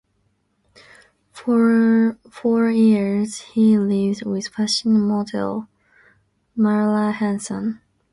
For four years he lived with fashion model Marla Hanson.